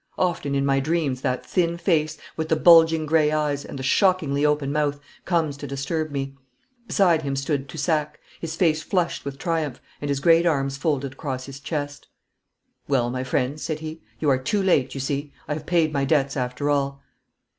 Often in my dreams that thin face, with the bulging grey eyes, and the shockingly open mouth, comes to disturb me. Beside him stood Toussac, his face flushed with triumph, and his great arms folded across his chest. 'Well, my friends,' said he, 'you are too late, you see. I have paid my debts after all.'